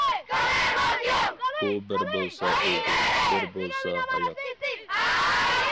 ئۇ بىر بولسا ئۆلدى، بىر بولسا ھايات.